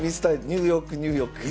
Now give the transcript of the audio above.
ニューヨークニューヨーク。